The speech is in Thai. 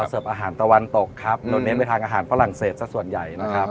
เราเซิร์ฟอาหารตะวันตกก็โน้นเน้นไปทางอาหารฟรั่งเศสส่วนใหญ่